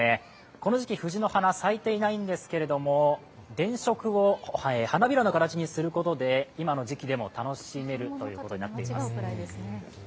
この時期、藤の花は咲いていないんですけれども電飾を花びらの形にすることで今の時期でも楽しめることになっています。